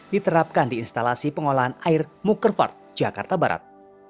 diterapkan di instalasi pengelolaan air mukervart jakarta barat